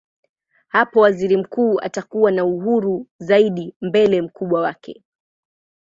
Hapo waziri mkuu atakuwa na uhuru zaidi mbele mkubwa wake.